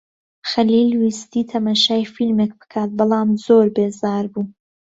خەلیل ویستی تەماشای فیلمێک بکات بەڵام زۆر بێزار بوو.